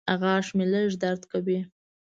غاښ مې لږ درد کوي.